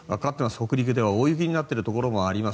北陸では大雪になっているところもあります。